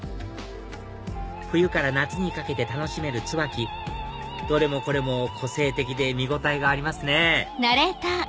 冬から夏にかけて楽しめるツバキどれもこれも個性的で見応えがありますね